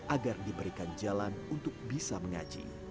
agar diberikan jalan untuk bisa mengaji